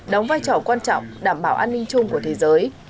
đóng vai trò quan trọng đảm bảo an ninh chung của thế giới